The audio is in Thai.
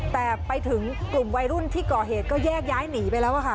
แต่ไปถึงกลุ่มวัยรุ่นที่ก่อเหตุก็แยกย้ายหนีไปแล้วค่ะ